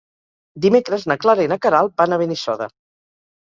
Dimecres na Clara i na Queralt van a Benissoda.